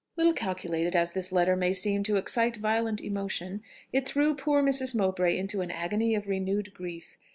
Little calculated as this letter may seem to excite violent emotion, it threw poor Mrs. Mowbray into an agony of renewed grief.